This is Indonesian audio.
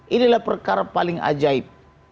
inilah perkara paling ajaib